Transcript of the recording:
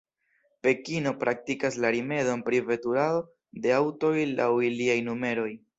Pekino praktikas la rimedon pri veturado de aŭtoj laŭ iliaj numeroj.